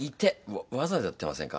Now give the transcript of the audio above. うわわざとやってませんか？